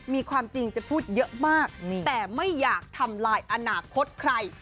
มีความจริงจะพูดเยอะมากแต่ไม่อยากทำลายอนาคตใคร